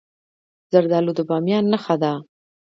زردالو د بامیان نښه ده.